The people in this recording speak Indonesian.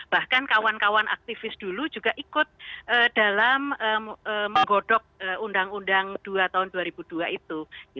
bahkan kawan kawan aktivis dulu juga ikut dalam menggodok undang undang dua tahun dua ribu dua itu